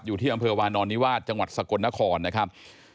อยู่ที่อำเภอวานอนนิวาสจังหวัดสกลนครนะครับ